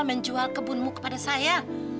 menjual kebunmu kepada saya